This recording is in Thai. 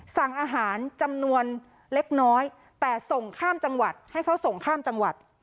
สั่งอาหารจำนวนเล็กน้อยแต่ส่งข้ามจังหวัดให้เขาส่งข้ามจังหวัด